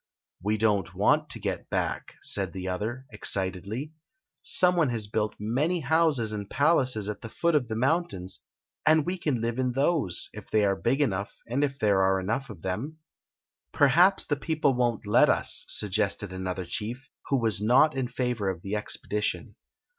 " We don't want to get back," said the other, cxcit edly. " Some one has biiUt many houses and palaces at the foot of the mountains, and we can live in those if they are big enough and if there are enough of them " 204 Queen Zixi of Ix "Perhaps the people won't let us," suggested an other chief, who was not in favor of the expedition.